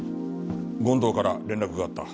権藤から連絡があった。